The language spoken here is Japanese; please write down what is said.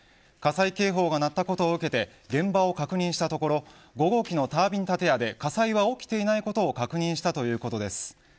火災警報が鳴ったことを受けて現場を確認したところ５号機のタービン建屋で火災は起きていないことを確認したそうです。